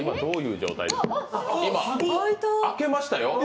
今、開けましたよ。